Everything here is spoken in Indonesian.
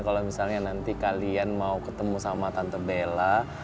kalau misalnya nanti kalian mau ketemu sama tante bella